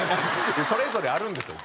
それぞれあるんですよ！